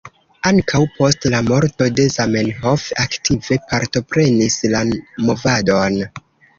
Ankaŭ post la morto de Zamenhof aktive partoprenis la movadon.